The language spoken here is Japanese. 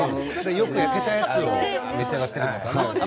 よく焼けてるやつを召し上がっているのかな？